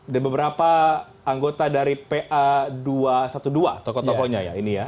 dan beberapa anggota dari pa dua ratus dua belas tokoh tokohnya ya ini ya